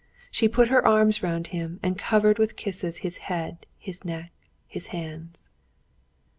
She put her arms round him, and covered with kisses his head, his neck, his hands.